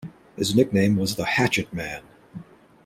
His nickname was The Hatchetman.